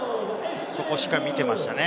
しっかり見ていましたね。